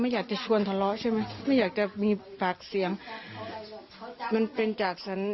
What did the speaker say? ยกไหนจริงไปนะ